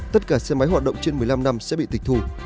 tất cả xe máy hoạt động trên một mươi năm năm sẽ bị tịch thù